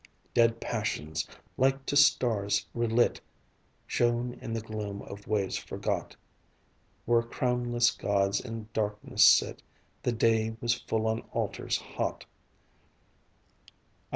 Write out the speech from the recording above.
Dead passions like to stars relit Shone in the gloom of ways forgot; Where crownless gods in darkness sit The day was full on altars hot.